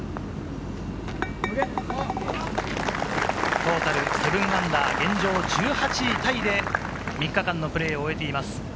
トータル−７、現状、１８位タイで３日間のプレーを終えています。